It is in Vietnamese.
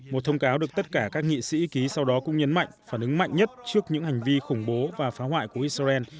một thông cáo được tất cả các nghị sĩ ký sau đó cũng nhấn mạnh phản ứng mạnh nhất trước những hành vi khủng bố và phá hoại của israel